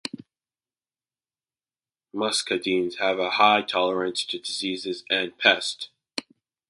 Muscadines have a high tolerance to diseases and pests.